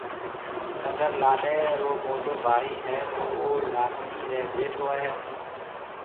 اگر لاڏيَ رو موٽو ڀائي هيَ تو او لاڏيِ ريَ جيٺ هوئي هيَ۔